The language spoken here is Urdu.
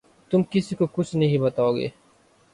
تم کسی کو کچھ نہیں بتاؤ گے